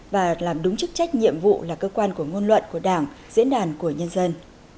và làm đúng chức trách nhiệm vụ là cơ quan của ngôn luận của đảng diễn đàn của nhân dân